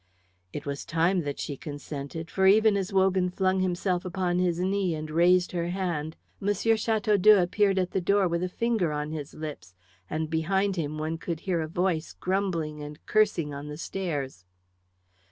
It was time that she consented, for even as Wogan flung himself upon his knee and raised her hand, M. Chateaudoux appeared at the door with a finger on his lips, and behind him one could hear a voice grumbling and cursing on the stairs.